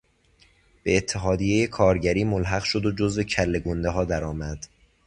به اتحادیهی کارگری ملحق شد و جزو کله گندهها درآمد.